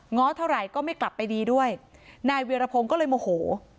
้อเท่าไหร่ก็ไม่กลับไปดีด้วยนายเวียรพงศ์ก็เลยโมโห